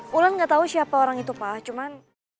bulan gatau siapa orang itu pak cuman